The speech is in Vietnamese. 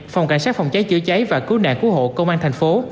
phòng cảnh sát phòng cháy chữa cháy và cứu nạn cứu hộ công an thành phố